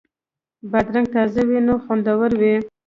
بادرنګ تازه وي نو خوندور وي.